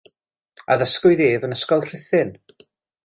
Addysgwyd ef yn Ysgol Rhuthun.